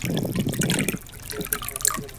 কিন্তু এখন কাঁদছিস কেন?